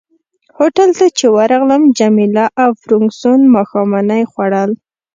هوټل ته چي ورغلم جميله او فرګوسن ماښامنۍ خوړل.